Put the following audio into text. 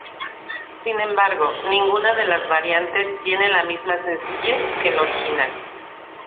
Sin embargo, ninguna de las variantes tiene la misma sencillez que el original.